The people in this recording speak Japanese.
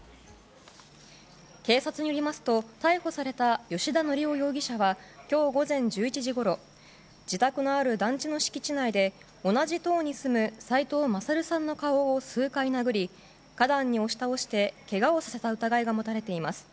警察によりますと逮捕された吉田宣雄容疑者は今日午前１１時ごろ自宅のある団地の敷地内で同じ棟に住む斉藤勝さんの顔を数回殴り花壇に押し倒してけがをさせた疑いが持たれています。